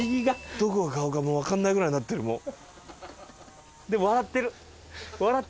どこが顔かもう分かんないぐらいになってる。